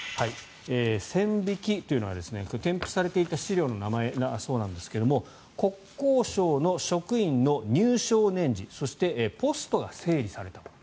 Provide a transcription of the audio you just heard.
線引きというのは添付されていた資料の名前なんですが国交省の職員の入省年次そしてポストが整理されたもの